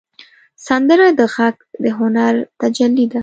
سندره د غږ د هنر تجلی ده